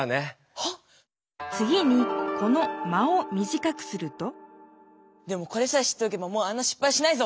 はっ⁉つぎにこの「間」をみじかくするとでもこれさえ知っておけばもうあんなしっぱいしないぞ！